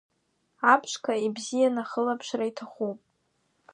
Аԥшқа ибзианы ахылаԥшра иҭахуп.